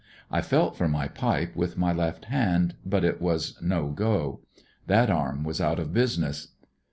I felt for my pipe with my left hand, but it was no go. That arm was out of business.